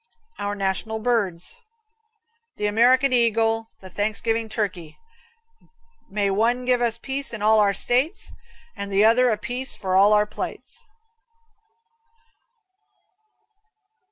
Our National Birds. The American Eagle, the Thanksgiving Turkey: may one give us peace in all our States and the other a piece for all our plates.